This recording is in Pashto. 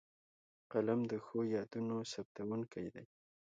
قلم د ښو یادونو ثبتوونکی دی